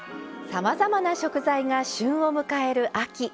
さまざまな食材が旬を迎える秋。